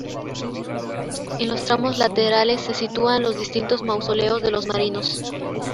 En los tramos laterales se sitúan los distintos mausoleos de los marinos.